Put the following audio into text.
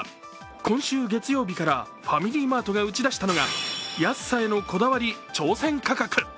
今週、月曜日からファミリーマートが打ち出したのが「安さへのこだわり挑戦価格！」。